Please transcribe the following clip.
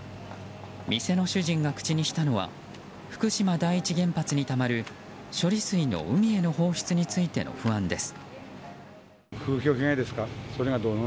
店の主人が口にしたのは福島第一原発にたまる処理水の海への放出についての不安です。